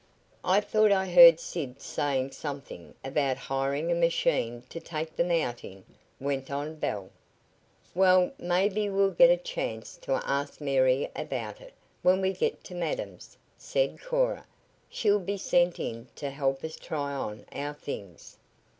"I thought I heard Sid saying something about hiring a machine to take them out in," went on Belle. "Well, maybe we'll get a chance to ask Mary about it when we get to madam's," said Cora. "She'll be sent in to help us try on our things."